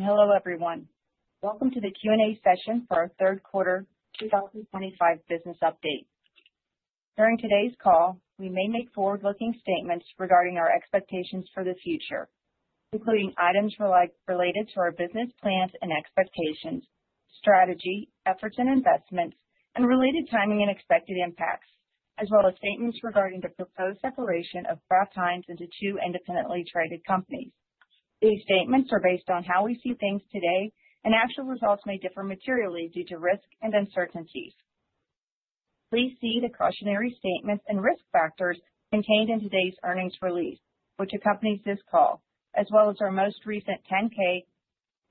Hello, everyone. Welcome to the Q&A session for our third quarter 2025 business update. During today's call, we may make forward-looking statements regarding our expectations for the future, including items related to our business plans and expectations, strategy, efforts and investments, and related timing and expected impacts, as well as statements regarding the proposed separation of Kraft Heinz into two independently traded companies. These statements are based on how we see things today, and actual results may differ materially due to risk and uncertainties. Please see the cautionary statements and risk factors contained in today's earnings release, which accompanies this call, as well as our most recent 10-K,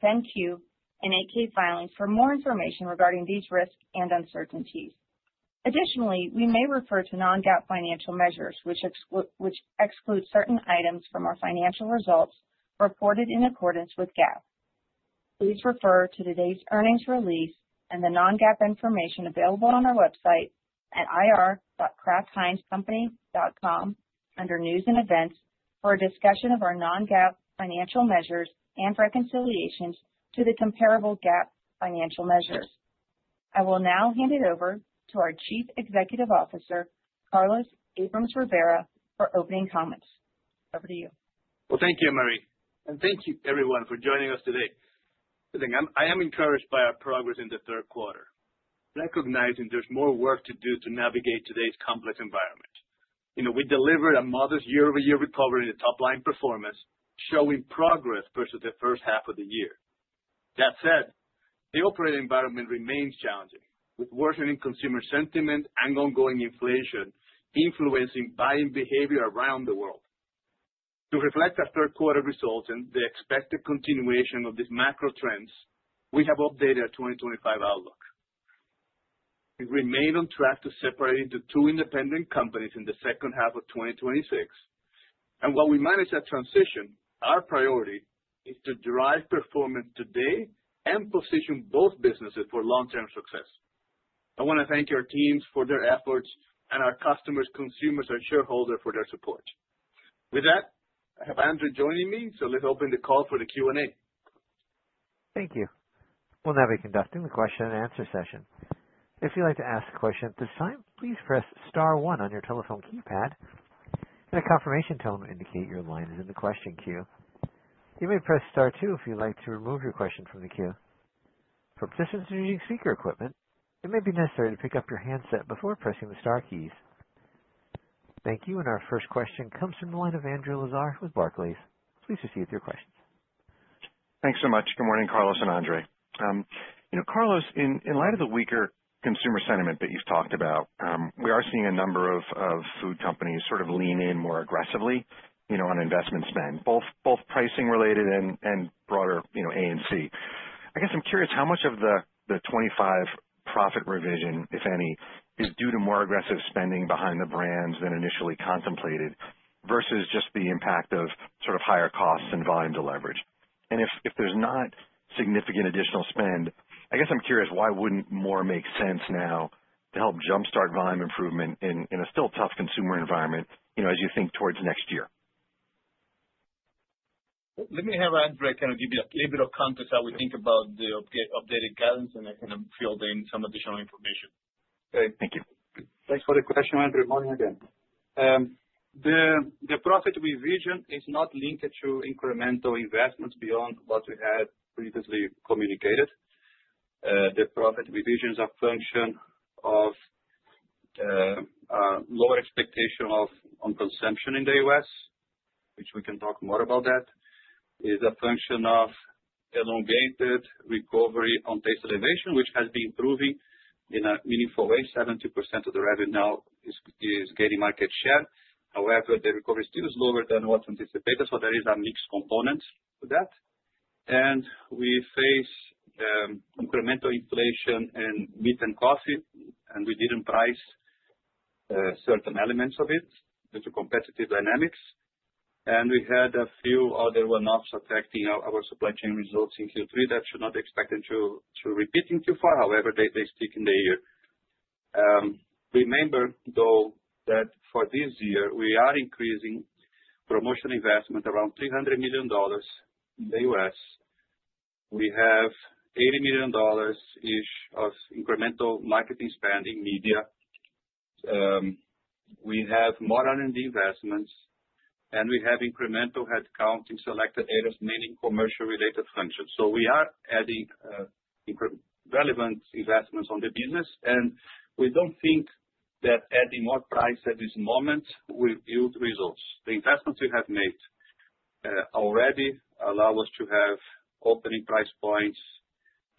10-Q, and 8-K filings for more information regarding these risks and uncertainties. Additionally, we may refer to non-GAAP financial measures, which exclude certain items from our financial results reported in accordance with GAAP. Please refer to today's earnings release and the non-GAAP information available on our website at ir.kraftheinzcompany.com under News & Events for a discussion of our non-GAAP financial measures and reconciliations to the comparable GAAP financial measures. I will now hand it over to our Chief Executive Officer, Carlos Abrams-Rivera, for opening comments. Over to you. Thank you, Marie, and thank you, everyone, for joining us today. I am encouraged by our progress in the third quarter, recognizing there's more work to do to navigate today's complex environment. We delivered a modest year-over-year recovery in the top-line performance, showing progress versus the first half of the year. That said, the operating environment remains challenging, with worsening consumer sentiment and ongoing inflation influencing buying behavior around the world. To reflect our third-quarter results and the expected continuation of these macro trends, we have updated our 2025 outlook. We remain on track to separate into two independent companies in the second half of 2026. While we manage that transition, our priority is to drive performance today and position both businesses for long-term success. I want to thank our teams for their efforts and our customers, consumers, and shareholders for their support. With that, I have Andre joining me, so let's open the call for the Q&A. Thank you. We'll now be conducting the question-and-answer session. If you'd like to ask a question at this time, please press star one on your telephone keypad, and a confirmation tone will indicate your line is in the question queue. You may press star two if you'd like to remove your question from the queue. For participants using speaker equipment, it may be necessary to pick up your handset before pressing the star keys. Thank you, and our first question comes from the line of Andrew Lazar with Barclays. Please proceed with your questions. Thanks so much. Good morning, Carlos and Andre. Carlos, in light of the weaker consumer sentiment that you've talked about, we are seeing a number of food companies sort of lean in more aggressively on investment spend, both pricing-related and broader A&C. I guess I'm curious how much of the 2025 profit revision, if any, is due to more aggressive spending behind the brands than initially contemplated versus just the impact of sort of higher costs and volume to leverage? And if there's not significant additional spend, I guess I'm curious why wouldn't more make sense now to help jump-start volume improvement in a still tough consumer environment as you think towards next year? Let me have Andre kind of give you a little bit of context how we think about the updated guidance and then fill in some additional information. Okay. Thank you. Thanks for the question, Andrew. Morning again. The profit revision is not linked to incremental investments beyond what we had previously communicated. The profit revision is a function of lower expectation of consumption in the U.S., which we can talk more about. That is a function of elongated recovery on Taste Elevation, which has been proving in a meaningful way. 70% of the revenue now is getting market share. However, the recovery still is lower than what's anticipated, so there is a mix component to that, and we face incremental inflation in meat and coffee, and we didn't price certain elements of it due to competitive dynamics, and we had a few other one-offs affecting our supply chain results in Q3 that should not be expected to repeat in Q4. However, they stick in the year. Remember, though, that for this year, we are increasing promotional investment around $300 million in the U.S. We have $80 million-ish of incremental marketing spending, media. We have more R&D investments, and we have incremental headcount in selected areas, mainly commercial-related functions. We are adding relevant investments on the business, and we don't think that adding more price at this moment will yield results. The investments we have made already allow us to have opening price points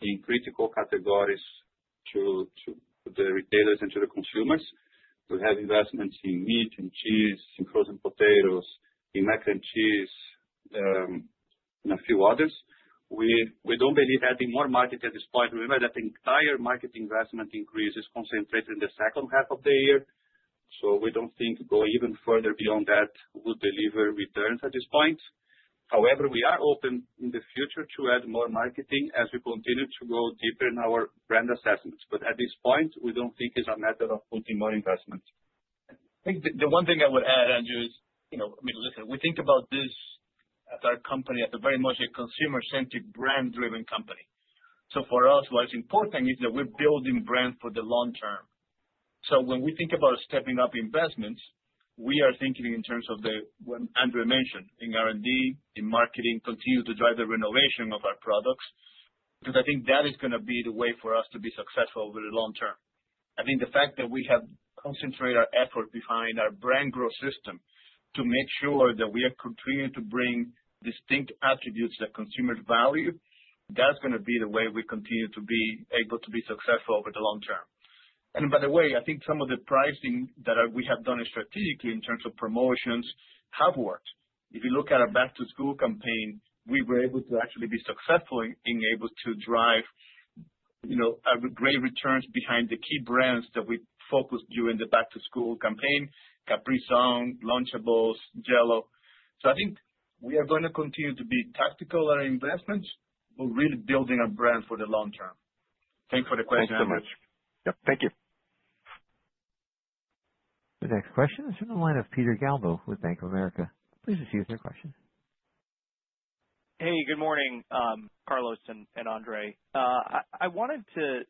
in critical categories to the retailers and to the consumers. We have investments in meat and cheese, in frozen potatoes, in Mac & Cheese, and a few others. We don't believe adding more market at this point. Remember that the entire marketing investment increase is concentrated in the second half of the year, so we don't think going even further beyond that would deliver returns at this point. However, we are open in the future to add more marketing as we continue to go deeper in our brand assessments, but at this point, we don't think it's a matter of putting more investment. I think the one thing I would add, Andrew, is, I mean, listen, we think about this as our company as a very much a consumer-centric brand-driven company. So for us, what's important is that we're building brand for the long term. So when we think about stepping up investments, we are thinking in terms of what Andre mentioned in R&D, in marketing, continue to drive the renovation of our products, because I think that is going to be the way for us to be successful over the long term. I think the fact that we have concentrated our effort behind our Brand Growth System to make sure that we are continuing to bring distinct attributes that consumers value, that's going to be the way we continue to be able to be successful over the long term. And by the way, I think some of the pricing that we have done strategically in terms of promotions have worked. If you look at our Back-to-School campaign, we were able to actually be successful in able to drive great returns behind the key brands that we focused during the Back-to-School campaign: Capri Sun, Lunchables, JELL-O. So I think we are going to continue to be tactical in our investments, but really building our brand for the long term. Thanks for the question, Andrew. Thanks so much. Yep. Thank you. The next question is from the line of Peter Galbo with Bank of America. Please proceed with your question. Hey, good morning, Carlos and Andre. I wanted to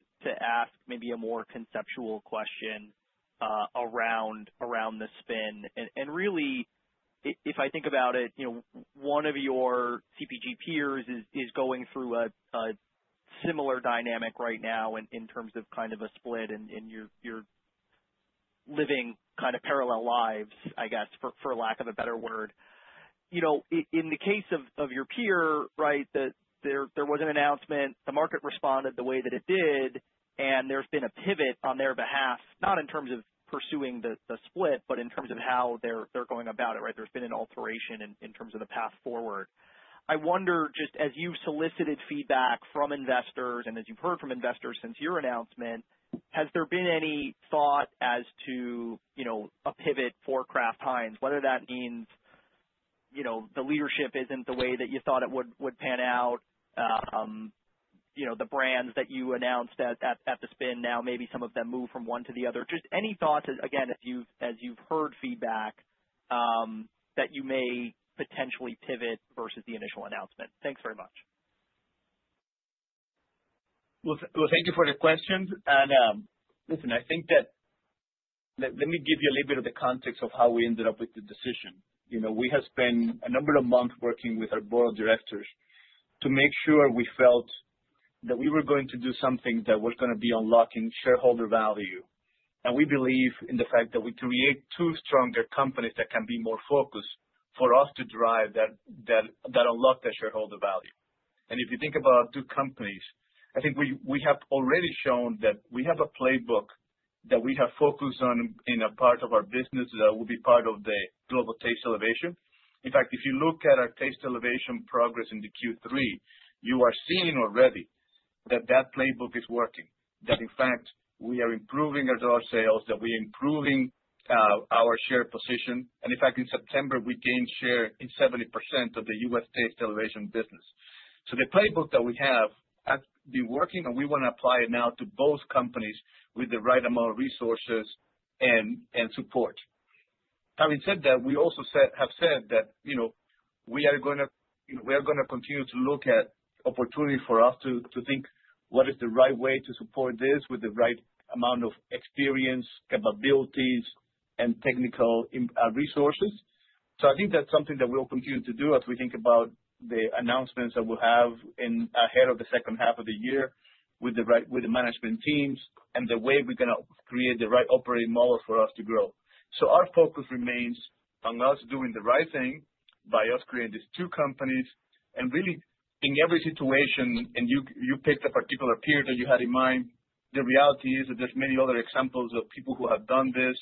ask maybe a more conceptual question around the spin. And really, if I think about it, one of your CPG peers is going through a similar dynamic right now in terms of kind of a split, and you're living kind of parallel lives, I guess, for lack of a better word. In the case of your peer, right, there was an announcement, the market responded the way that it did, and there's been a pivot on their behalf, not in terms of pursuing the split, but in terms of how they're going about it, right? There's been an alteration in terms of the path forward. I wonder, just as you've solicited feedback from investors and as you've heard from investors since your announcement, has there been any thought as to a pivot for Kraft Heinz, whether that means the leadership isn't the way that you thought it would pan out, the brands that you announced at the spin now, maybe some of them move from one to the other? Just any thoughts, again, as you've heard feedback, that you may potentially pivot versus the initial announcement? Thanks very much. Well, thank you for the question. And listen, I think that let me give you a little bit of the context of how we ended up with the decision. We have spent a number of months working with our Board of Directors to make sure we felt that we were going to do something that was going to be unlocking shareholder value. And we believe in the fact that we create two stronger companies that can be more focused for us to drive that unlock that shareholder value. And if you think about two companies, I think we have already shown that we have a playbook that we have focused on in a part of our business that will be part of the Global Taste Elevation. In fact, if you look at our Taste Elevation progress in the Q3, you are seeing already that that playbook is working, that in fact, we are improving our dollar sales, that we are improving our share position. And in fact, in September, we gained share in 70% of the U.S. Taste Elevation business. So the playbook that we have has been working, and we want to apply it now to both companies with the right amount of resources and support. Having said that, we also have said that we are going to continue to look at opportunities for us to think what is the right way to support this with the right amount of experience, capabilities, and technical resources. So I think that's something that we'll continue to do as we think about the announcements that we'll have ahead of the second half of the year with the management teams and the way we're going to create the right operating model for us to grow. So our focus remains on us doing the right thing by us creating these two companies. And really, in every situation, and you picked a particular period that you had in mind, the reality is that there's many other examples of people who have done this.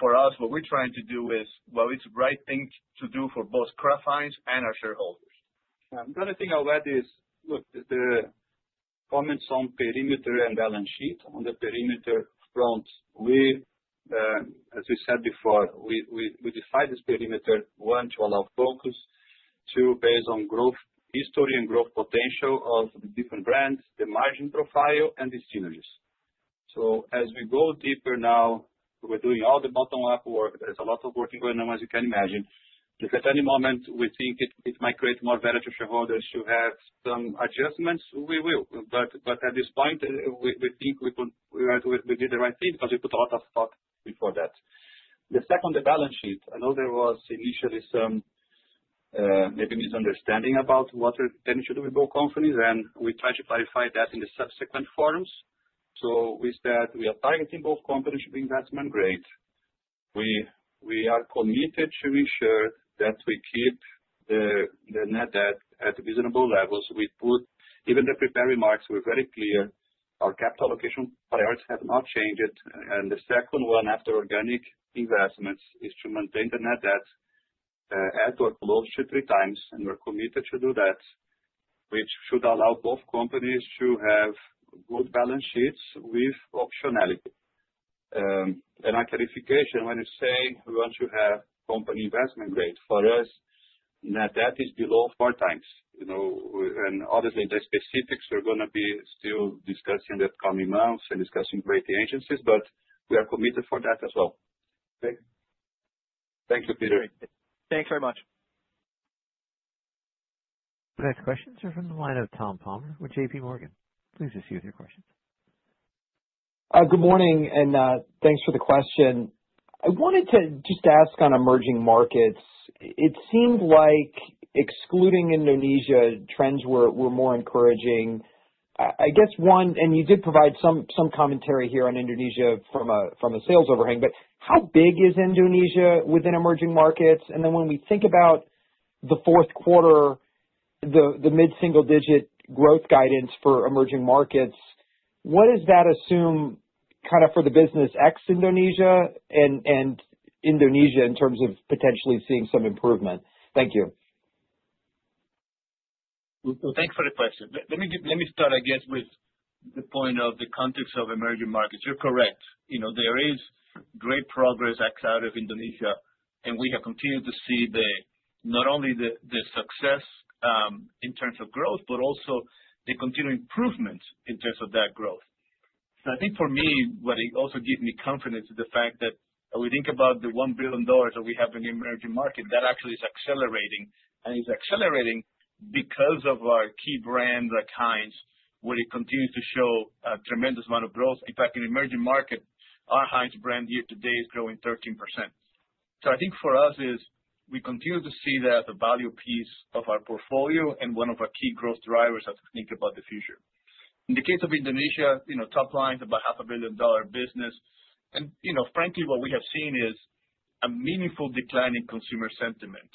For us, what we're trying to do is, well, it's the right thing to do for both Kraft Heinz and our shareholders. The other thing I'll add is, look, the comments on perimeter and balance sheet. On the perimeter front, as we said before, we decide this perimeter one, to allow focus, two, based on growth history and growth potential of the different brands, the margin profile, and the synergies. So as we go deeper now, we're doing all the bottom-up work. There's a lot of work going on, as you can imagine. If at any moment we think it might create more value to shareholders to have some adjustments, we will. But at this point, we think we did the right thing because we put a lot of thought before that. The second, the balance sheet. I know there was initially some maybe misunderstanding about what we intended to do with both companies, and we tried to clarify that in the subsequent forums. So we said we are targeting both companies to be investment-grade. We are committed to ensure that we keep the net debt at reasonable levels. Even the prepared remarks were very clear. Our capital allocation priorities have not changed. And the second one, after organic investments, is to maintain the net debt at or close to three times, and we're committed to do that, which should allow both companies to have good balance sheets with optionality. And our clarification, when you say we want to have companies investment-grade for us, net debt is below four times. And obviously, the specifics are going to be still discussed in the upcoming months and discussed in rating agencies, but we are committed for that as well. Thank you, Peter. Thanks very much. The next questions are from the line of Tom Palmer with JPMorgan. Please proceed with your questions. Good morning, and thanks for the question. I wanted to just ask on Emerging Markets. It seemed like excluding Indonesia, trends were more encouraging. I guess one, and you did provide some commentary here on Indonesia from a sales overhang, but how big is Indonesia within Emerging Markets? And then when we think about the fourth quarter, the mid-single-digit growth guidance for Emerging Markets, what does that assume kind of for the business ex-Indonesia and Indonesia in terms of potentially seeing some improvement? Thank you. Thanks for the question. Let me start, I guess, with the point of the context of Emerging Markets. You're correct. There is great progress out of Indonesia, and we have continued to see not only the success in terms of growth, but also the continued improvement in terms of that growth, so I think for me, what it also gives me confidence is the fact that we think about the $1 billion that we have in the Emerging Markets, that actually is accelerating, and it's accelerating because of our key brand, Heinz, where it continues to show a tremendous amount of growth. In fact, in Emerging Markets, our Heinz brand year to date is growing 13%, so I think for us, we continue to see that as a value piece of our portfolio and one of our key growth drivers as we think about the future. In the case of Indonesia, top lines, about $500 million business. And frankly, what we have seen is a meaningful decline in consumer sentiment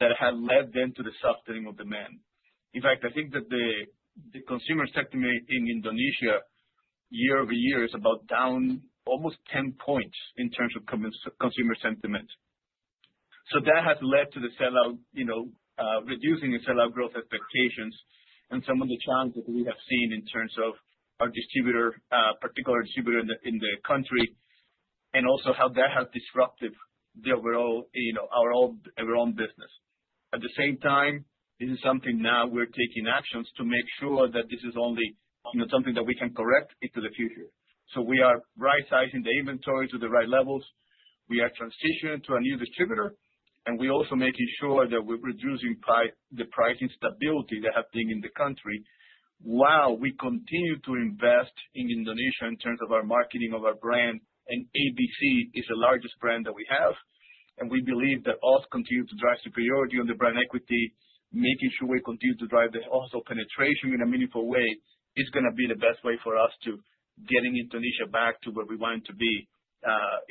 that has led them to the softening of demand. In fact, I think that the consumer sentiment in Indonesia year-over-year is about down almost 10 points in terms of consumer sentiment. So that has led to the sell-out, reducing the sell-out growth expectations and some of the challenges that we have seen in terms of our distributor, particular distributor in the country, and also how that has disrupted our own business. At the same time, this is something now we're taking actions to make sure that this is only something that we can correct into the future. So we are right-sizing the inventory to the right levels. We are transitioning to a new distributor, and we're also making sure that we're reducing the pricing instability that has been in the country while we continue to invest in Indonesia in terms of our marketing of our brand. And ABC is the largest brand that we have. And we believe that us continuing to drive superiority on the brand equity, making sure we continue to drive the also penetration in a meaningful way, is going to be the best way for us to getting Indonesia back to where we want it to be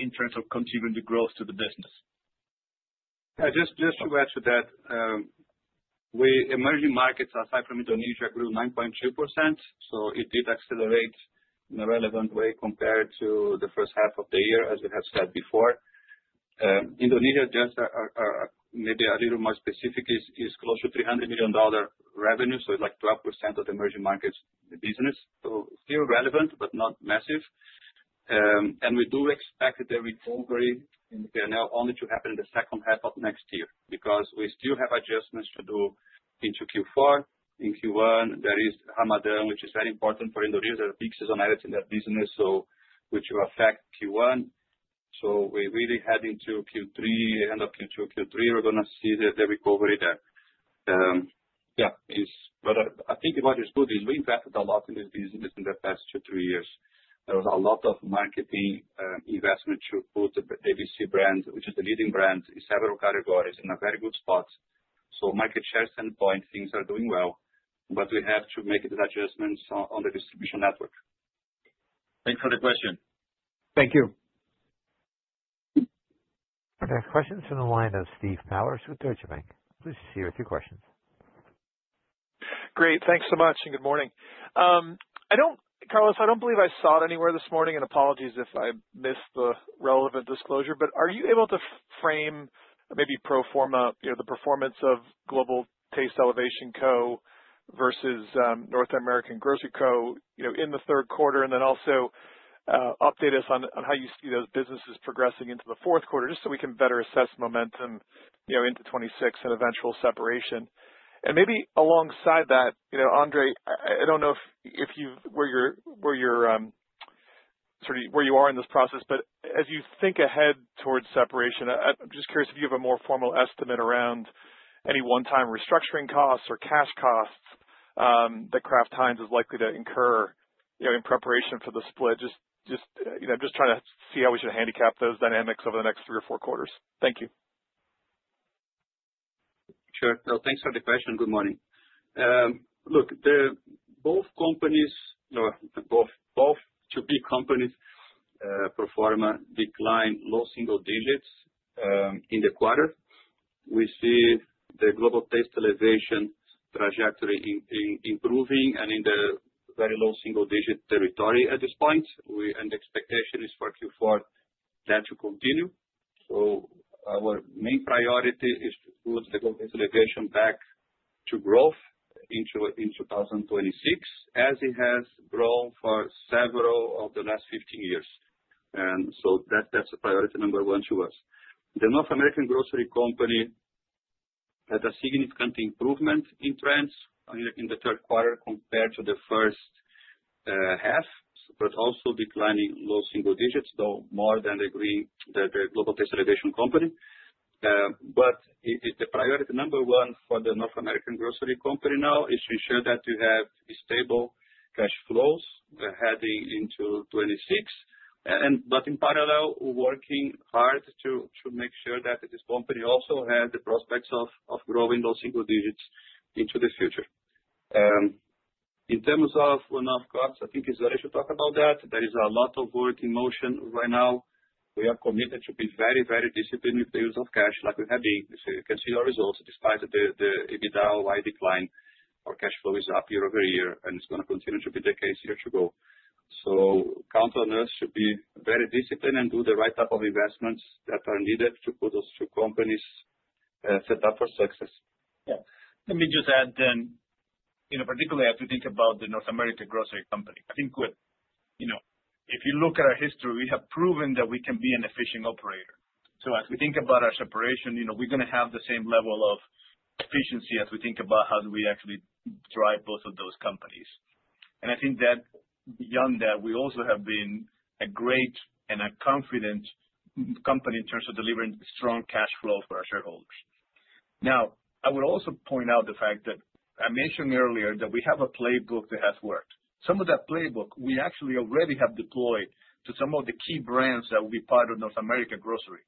in terms of continuing the growth to the business. Yeah, just to add to that, Emerging Markets, aside from Indonesia, grew 9.2%. So it did accelerate in a relevant way compared to the first half of the year, as we have said before. Indonesia, just maybe a little more specific, is close to $300 million revenue, so it's like 12% of the Emerging Markets business. So still relevant, but not massive. And we do expect the recovery in the P&L only to happen in the second half of next year because we still have adjustments to do into Q4. In Q1, there is Ramadan, which is very important for Indonesia, a big seasonality in that business, which will affect Q1. So we really head into Q3, end of Q2, Q3, we're going to see the recovery there. Yeah, but I think what is good is we invested a lot in this business in the past two to three years. There was a lot of marketing investment to put the ABC brand, which is the leading brand, in several categories in a very good spot, so market share standpoint, things are doing well, but we have to make these adjustments on the distribution network. Thanks for the question. Thank you. The next question is from the line of Steve Powers with Deutsche Bank. Please proceed with your questions. Great. Thanks so much and good morning. Carlos, I don't believe I saw it anywhere this morning, and apologies if I missed the relevant disclosure, but are you able to frame maybe pro forma, the performance of Global Taste Elevation Co versus North American Grocery Co in the third quarter, and then also update us on how you see those businesses progressing into the fourth quarter, just so we can better assess momentum into 2026 and eventual separation, and maybe alongside that, Andre, I don't know sort of where you are in this process, but as you think ahead towards separation, I'm just curious if you have a more formal estimate around any one-time restructuring costs or cash costs that Kraft Heinz is likely to incur in preparation for the split, just trying to see how we should handicap those dynamics over the next three or four quarters. Thank you. Sure. No, thanks for the question. Good morning. Look, both companies, both to-be companies, pro forma, declined low single digits in the quarter. We see the Global Taste Elevation trajectory improving and in the very low single digit territory at this point, and the expectation is for Q4 that to continue, so our main priority is to put the Global Taste Elevation back to growth in 2026, as it has grown for several of the last 15 years, and so that's a priority number one to us. The North American Grocery Co had a significant improvement in trends in the third quarter compared to the first half, but also declining low single-digits, though more than the Global Taste Elevation Co. But the priority number one for the North American Grocery Co now is to ensure that you have stable cash flows heading into 2026, but in parallel, working hard to make sure that this company also has the prospects of growing low single digits into the future. In terms of one-off costs, I think it's better to talk about that. There is a lot of work in motion right now. We are committed to be very, very disciplined with the use of cash like we have been. You can see our results despite the EBITDA guide decline. Our cash flow is up year-over-year, and it's going to continue to be the case year to go. So count on us to be very disciplined and do the right type of investments that are needed to put those two companies set up for success. Yeah. Let me just add, particularly as we think about the North American Grocery Co. I think if you look at our history, we have proven that we can be an efficient operator. So as we think about our separation, we're going to have the same level of efficiency as we think about how do we actually drive both of those companies. And I think that beyond that, we also have been a great and a confident company in terms of delivering strong cash flow for our shareholders. Now, I would also point out the fact that I mentioned earlier that we have a playbook that has worked. Some of that playbook, we actually already have deployed to some of the key brands that will be part of North American Grocery.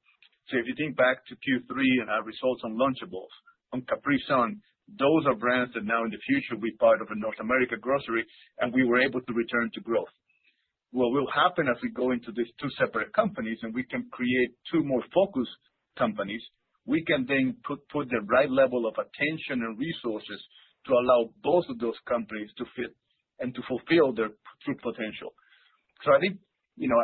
So if you think back to Q3 and our results on Lunchables, on Capri Sun, those are brands that now in the future will be part of a North American Grocery, and we were able to return to growth. What will happen as we go into these two separate companies and we can create two more focus companies, we can then put the right level of attention and resources to allow both of those companies to fit and to fulfill their true potential. So I think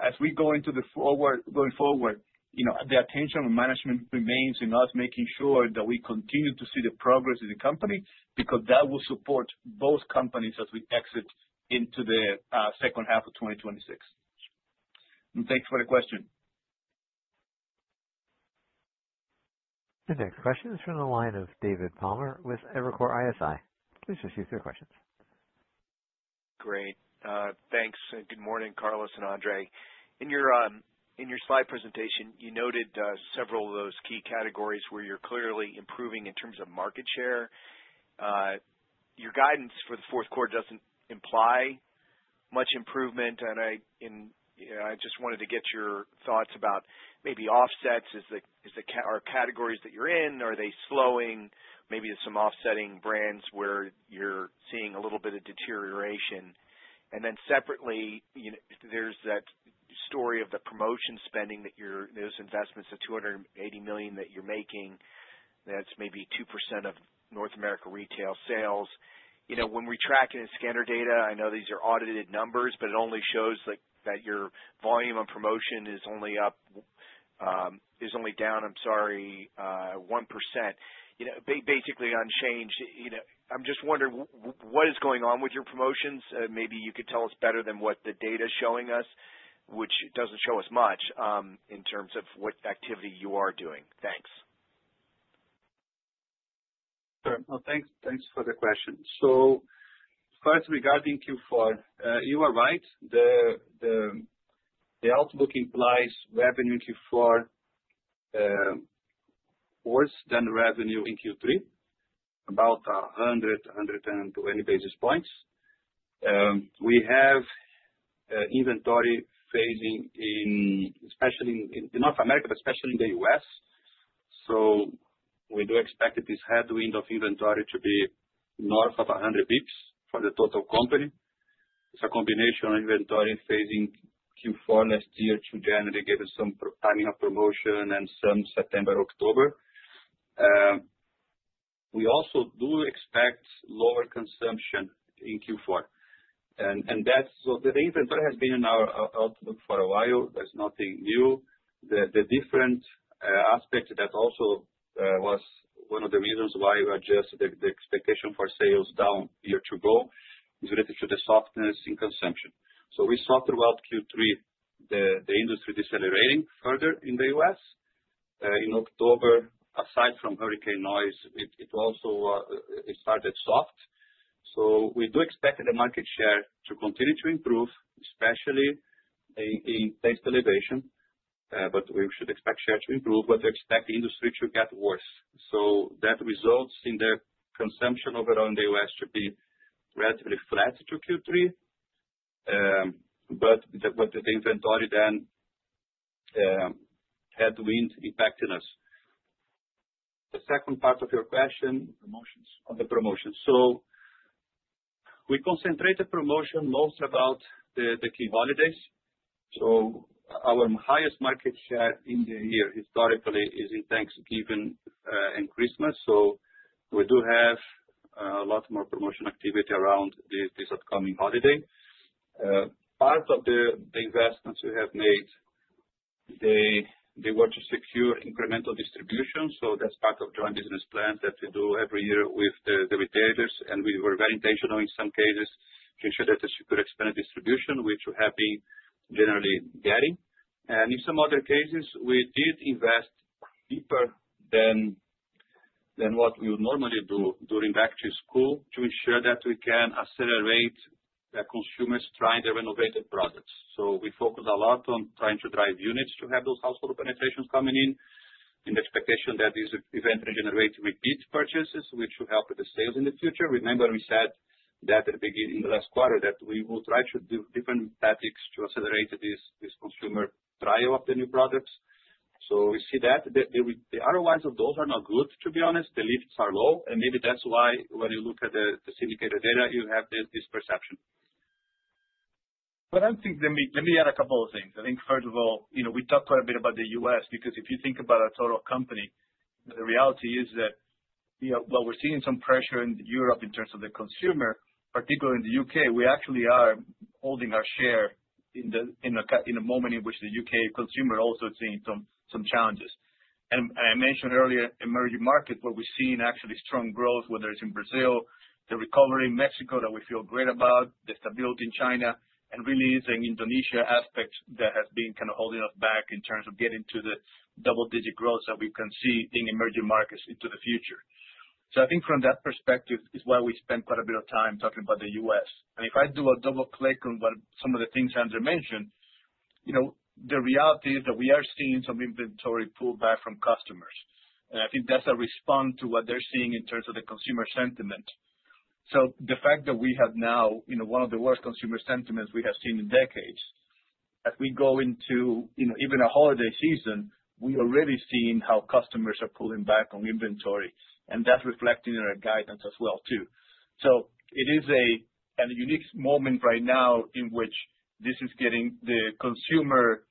as we go into the forward, going forward, the attention and management remains in us making sure that we continue to see the progress in the company because that will support both companies as we exit into the second half of 2026. And thanks for the question. The next question is from the line of David Palmer with Evercore ISI. Please proceed with your questions. Great. Thanks. Good morning, Carlos and Andre. In your slide presentation, you noted several of those key categories where you're clearly improving in terms of market share. Your guidance for the fourth quarter doesn't imply much improvement, and I just wanted to get your thoughts about maybe offsets. Are categories that you're in, are they slowing? Maybe there's some offsetting brands where you're seeing a little bit of deterioration. And then separately, there's that story of the promotion spending that you're those investments of $280 million that you're making, that's maybe 2% of North America retail sales. When we track it in scanner data, I know these are audited numbers, but it only shows that your volume on promotion is only up, is only down, I'm sorry, 1%, basically unchanged. I'm just wondering, what is going on with your promotions? Maybe you could tell us better than what the data is showing us, which doesn't show us much in terms of what activity you are doing? Thanks. Sure. No, thanks for the question. So first, regarding Q4, you are right. The outlook implies revenue in Q4 worse than revenue in Q3, about 100-120 basis points. We have inventory phasing, especially in North America, but especially in the U.S. So we do expect this headwind of inventory to be north of 100 basis points for the total company. It's a combination of inventory phasing Q4 last year to generally give us some timing of promotion and some September, October. We also do expect lower consumption in Q4. And so the inventory has been in our outlook for a while. There's nothing new. The different aspect that also was one of the reasons why we adjusted the expectation for sales down year to go is related to the softness in consumption. So we saw throughout Q3 the industry decelerating further in the U.S. In October, aside from hurricane noise, it also started soft. So we do expect the market share to continue to improve, especially in Taste Elevation, but we should expect share to improve, but to expect the industry to get worse. So that results in the consumption overall in the U.S. to be relatively flat to Q3, but the inventory then headwind impacting us. The second part of your question. Promotions. On the promotions. So we concentrate the promotion most about the key holidays. So our highest market share in the year historically is in Thanksgiving and Christmas. So we do have a lot more promotion activity around this upcoming holiday. Part of the investments we have made, they were to secure incremental distribution. So that's part of joint business plans that we do every year with the retailers. We were very intentional in some cases to ensure that we secure expanded distribution, which we have been generally getting. In some other cases, we did invest deeper than what we would normally do during Back-to-School to ensure that we can accelerate consumers trying the renovated products. We focus a lot on trying to drive units to have those household penetration coming in in the expectation that these events regenerate repeat purchases, which will help with the sales in the future. Remember, we said that in the last quarter that we will try to do different tactics to accelerate this consumer trial of the new products. We see that. The ROIs of those are not good, to be honest. The lifts are low, and maybe that's why when you look at the syndicated data, you have this perception. But I think let me add a couple of things. I think, first of all, we talked quite a bit about the U.S. because if you think about a total company, the reality is that while we're seeing some pressure in Europe in terms of the consumer, particularly in the U.K., we actually are holding our share in a moment in which the U.K. consumer also is seeing some challenges. And I mentioned earlier, Emerging Markets where we've seen actually strong growth, whether it's in Brazil, the recovery in Mexico that we feel great about, the stability in China, and really it's an Indonesia aspect that has been kind of holding us back in terms of getting to the double-digit growth that we can see in Emerging Markets into the future. So I think from that perspective is why we spend quite a bit of time talking about the U.S. And if I do a double click on some of the things Andre mentioned, the reality is that we are seeing some inventory pullback from customers. And I think that's a response to what they're seeing in terms of the consumer sentiment. So the fact that we have now one of the worst consumer sentiments we have seen in decades, as we go into even a holiday season, we are already seeing how customers are pulling back on inventory, and that's reflecting in our guidance as well, too. So it is a unique moment right now in which this is getting the consumer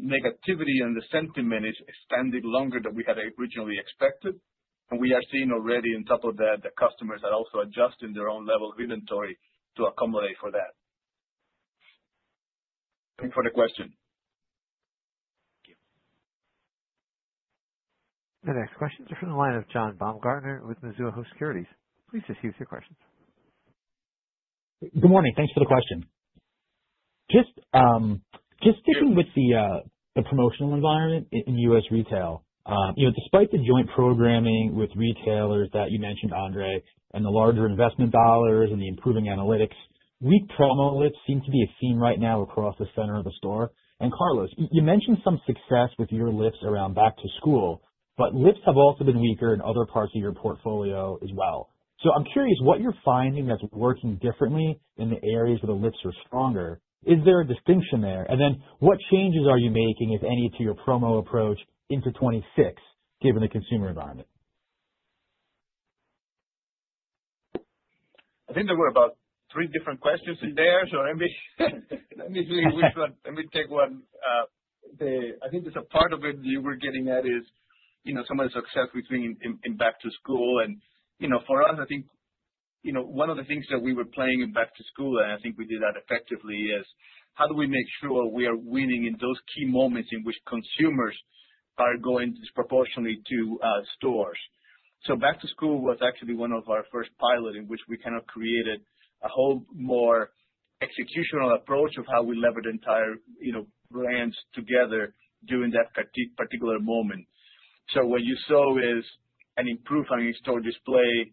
negativity and the sentiment is extended longer than we had originally expected. And we are seeing already on top of that, the customers are also adjusting their own level of inventory to accommodate for that. Thank you for the question. Thank you. The next questions are from the line of John Baumgartner with Mizuho Securities. Please proceed with your questions. Good morning. Thanks for the question. Just sticking with the promotional environment in U.S. retail, despite the joint programming with retailers that you mentioned, Andre, and the larger investment dollars and the improving analytics, weak promo lifts seem to be a theme right now across the center of the store, and Carlos, you mentioned some success with your lifts around Back-to-School, but lifts have also been weaker in other parts of your portfolio as well, so I'm curious what you're finding that's working differently in the areas where the lifts are stronger. Is there a distinction there, and then what changes are you making, if any, to your promo approach into 2026, given the consumer environment? I think there were about three different questions in there, so let me see which one. Let me take one. I think there's a part of it that you were getting at is some of the success we've seen in Back-to-School, and for us, I think one of the things that we were playing in Back-to-School, and I think we did that effectively, is how do we make sure we are winning in those key moments in which consumers are going disproportionately to stores? So Back-to-School was actually one of our first pilots in which we kind of created a whole more executional approach of how we leverage entire brands together during that particular moment. So what you saw is an improvement in store display,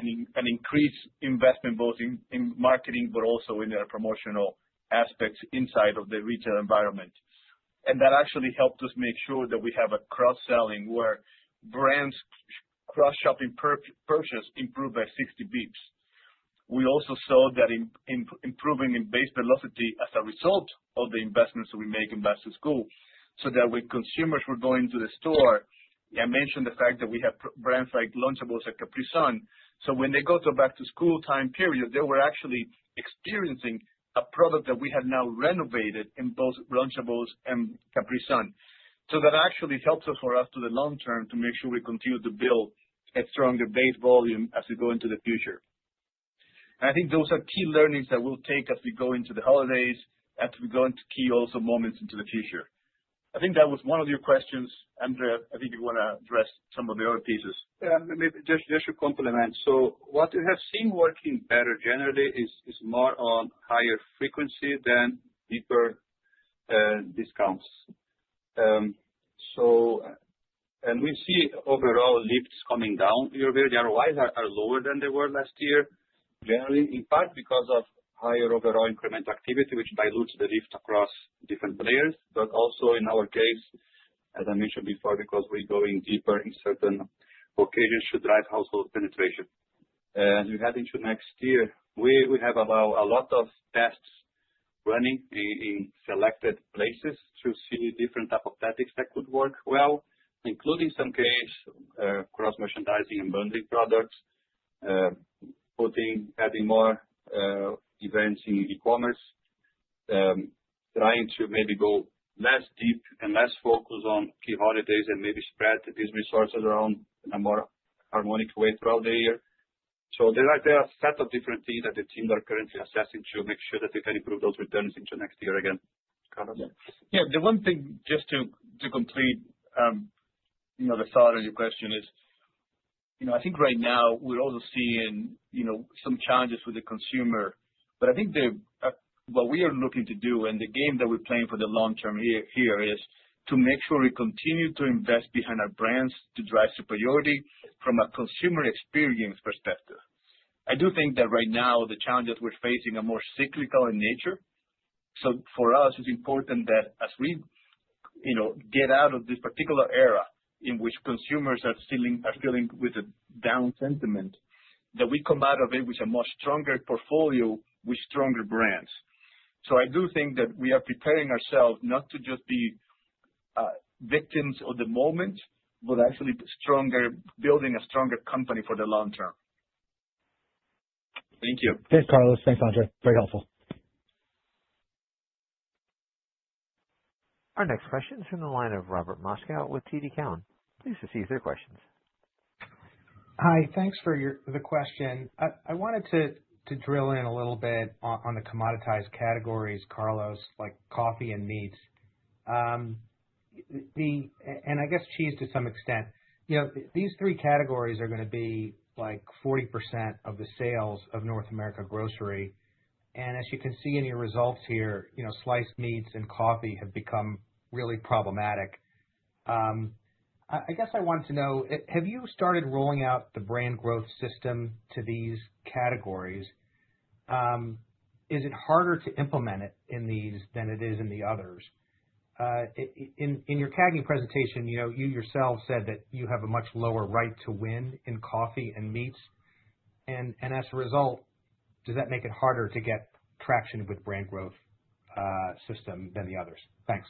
an increased investment both in marketing, but also in their promotional aspects inside of the retail environment. And that actually helped us make sure that we have a cross-selling where brands' cross-shopping purchase improved by 60 basis points. We also saw that improving in base velocity as a result of the investments we make in Back-to-School, so that when consumers were going to the store, I mentioned the fact that we have brands like Lunchables and Capri Sun. So when they go to Back-to-School time period, they were actually experiencing a product that we had now renovated in both Lunchables and Capri Sun. So that actually helps us for us to the long term to make sure we continue to build a stronger base volume as we go into the future. And I think those are key learnings that we'll take as we go into the holidays, as we go into key also moments into the future. I think that was one of your questions, Andre. I think you want to address some of the other pieces. Yeah. Just to complement, so what we have seen working better generally is more on higher frequency than deeper discounts, and we see overall lifts coming down. The ROIs are lower than they were last year, generally, in part because of higher overall incremental activity, which dilutes the lift across different players, but also in our case, as I mentioned before, because we're going deeper in certain occasions to drive household penetration. As we head into next year, we have a lot of tests running in selected places to see different types of tactics that could work well, including some case cross-merchandising and bundling products, adding more events in e-commerce, trying to maybe go less deep and less focused on key holidays and maybe spread these resources around in a more harmonic way throughout the year. So there are a set of different things that the teams are currently assessing to make sure that they can improve those returns into next year again. Yeah. The one thing just to complete the thought of your question is, I think right now we're also seeing some challenges with the consumer. But I think what we are looking to do and the game that we're playing for the long term here is to make sure we continue to invest behind our brands to drive superiority from a consumer experience perspective. I do think that right now the challenges we're facing are more cyclical in nature. So for us, it's important that as we get out of this particular era in which consumers are dealing with a down sentiment, that we come out of it with a much stronger portfolio with stronger brands. So I do think that we are preparing ourselves not to just be victims of the moment, but actually building a stronger company for the long term. Thank you. Thanks, Carlos. Thanks, Andre. Very helpful. Our next question is from the line of Robert Moskow with TD Cowen. Please proceed with your questions. Hi. Thanks for the question. I wanted to drill in a little bit on the commoditized categories, Carlos, like coffee and meats, and I guess cheese to some extent. These three categories are going to be like 40% of the sales of North America Grocery. And as you can see in your results here, sliced meats and coffee have become really problematic. I guess I wanted to know, have you started rolling out the Brand Growth System to these categories? Is it harder to implement it in these than it is in the others? In your CAGNY presentation, you yourself said that you have a much lower right to win in coffee and meats. And as a result, does that make it harder to get traction with the Brand Growth System than the others? Thanks.